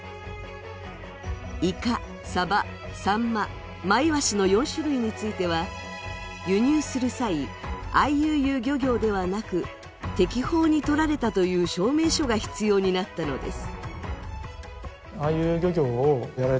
イカ、サバ、サンマ、マイワシの４種類については、輸入する際、ＩＵＵ漁業ではなく、適法に取られたという証明書が必要になったのです。